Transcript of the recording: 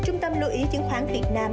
trung tâm lưu ý chứng khoán việt nam